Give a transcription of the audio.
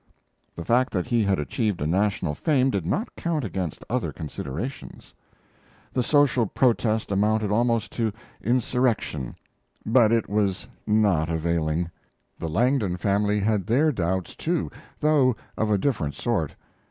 The fact that he had achieved a national fame did not count against other considerations. The social protest amounted almost to insurrection, but it was not availing. The Langdon family had their doubts too, though of a different sort.